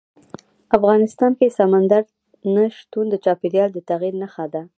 افغانستان کې سمندر نه شتون د چاپېریال د تغیر نښه ده.